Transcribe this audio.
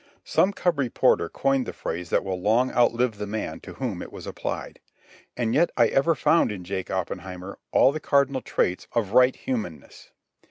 Some cub reporter coined the phrase that will long outlive the man to whom it was applied. And yet I ever found in Jake Oppenheimer all the cardinal traits of right humanness.